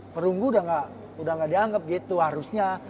perunggu udah nggak dianggap gitu harusnya